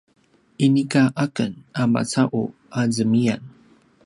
inika aken a maca’u a zemiyan